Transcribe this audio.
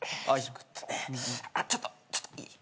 ちょっとちょっといい？